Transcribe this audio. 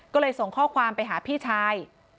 ก็เลยส่งข้อความไปหาพี่ชาย